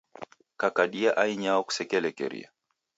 Kakadia ainyao kusekelekeria.